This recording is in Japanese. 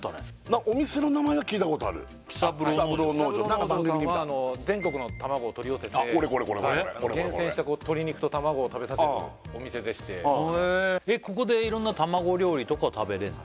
何か番組で見た喜三郎農場さんは全国の卵を取り寄せて厳選した鶏肉と卵を食べさせるお店でしてここでいろんな卵料理とかを食べれるの？